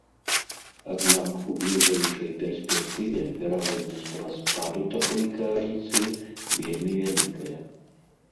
Аднак у бліжэйшай перспектыве верагоднасць распаду такой кааліцыі вельмі вялікая.